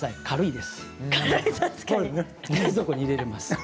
軽いです。